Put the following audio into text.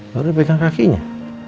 lalu dia pegang kakinya